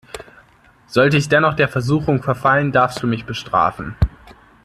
Sollte ich dennoch der Versuchung verfallen, darfst du mich bestrafen.